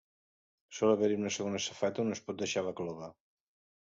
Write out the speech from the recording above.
Sol haver-hi una segona safata on es pot deixar la clova.